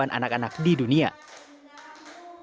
hak belajar adalah salah satu yang diperlukan untuk memperbaiki keadaan